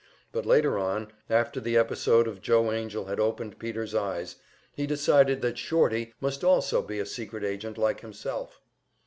But later on, after the episode of Joe Angell had opened Peter's eyes, he decided that "Shorty" must also be a secret agent like himself.